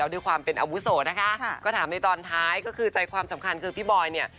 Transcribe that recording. ด้วยความเป็นอาวุโสนะคะก็ถามในตอนท้ายก็คือใจความสำคัญคือพี่บอยเนี่ย